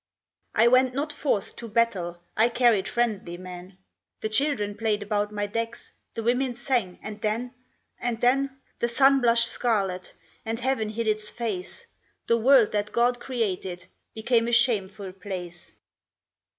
"I went not forth to battle, I carried friendly men, The children played about my decks, The women sang and then And then the sun blushed scarlet And Heaven hid its face, The world that God created Became a shameful place!